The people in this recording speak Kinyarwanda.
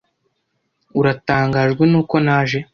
Uratangajwe nuko naje?